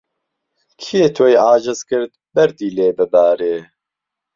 کێ تۆی عاجز کرد بەردی لێ ببارێ